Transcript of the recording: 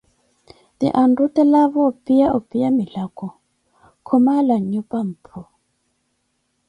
Ti anrutelaavo opiya opiya milako, khoomala nyupa mphu.